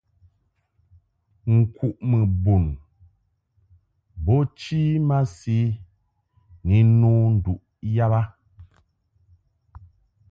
Nkuʼmɨ bun bo chi masi ni nno nduʼ yab a.